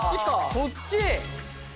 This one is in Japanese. そっち？